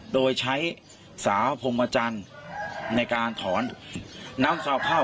โดยใช้สาวพรมจันทร์ในการถอนน้ำคราวเข้า